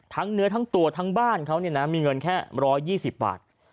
เนื้อทั้งตัวทั้งบ้านเขามีเงินแค่๑๒๐บาท